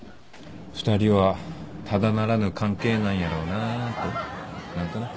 ２人はただならぬ関係なんやろなと何となく。